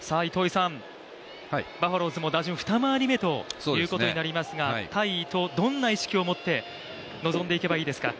バファローズも打順２回り目ということになりますが対伊藤、どんな意識を持って臨んでいけばいいですか。